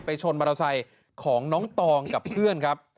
ไปชนบราษัยของน้องตองกับเพื่อนครับ